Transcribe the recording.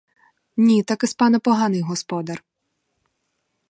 Ні, таки з пана поганий господар.